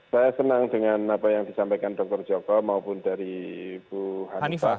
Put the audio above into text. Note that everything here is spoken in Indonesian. saya senang dengan apa yang disampaikan dr joko maupun dari bu hanifah